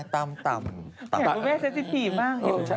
เฮ้ยพ่อแม่เซ็ทสิทธิบบ้าง